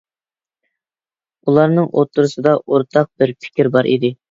ئۇلارنىڭ ئوتتۇرىسىدا ئورتاق بىر پىكىر بار ئىدى.